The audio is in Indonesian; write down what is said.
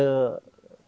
kalau saya suruh saya